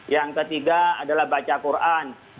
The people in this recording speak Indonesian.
yang ketiga adalah baca quran